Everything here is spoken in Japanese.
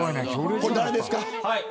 誰ですか。